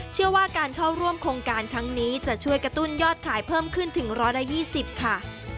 เชื่อว่าการเข้าร่วมโครงการครั้งนี้จะช่วยกระตุ้นยอดขายเพิ่มขึ้นถึง๑๒๐ค่ะ